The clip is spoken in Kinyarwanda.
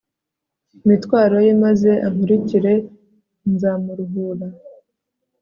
mitwaro ye, maze ankurikire nzamuruhura